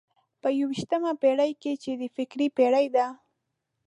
په یوویشتمه پېړۍ کې چې د فکر پېړۍ ده.